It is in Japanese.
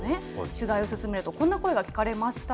取材を進めると、こんな声が聞かれました。